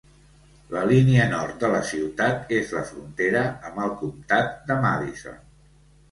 La línia nord de la ciutat és la frontera amb el comtat de Madison.